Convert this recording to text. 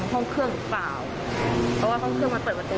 ห้องเครื่องเปลี่ยน